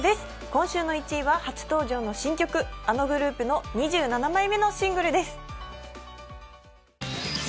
今週の１位は初登場の新曲、あのグループの２７枚目のシングルです。